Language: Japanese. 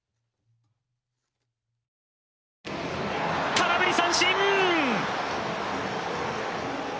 空振り三振！